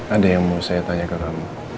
ada yang mau saya tanya ke kamu